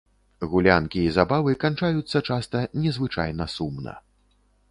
Гулянкі і забавы канчаюцца часта незвычайна сумна.